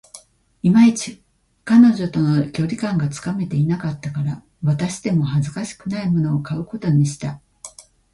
いまいち、彼女との距離感がつかめていなかったから、渡しても恥ずかしくないものを買うことにした